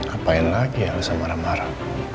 apaan lagi elsa marah marah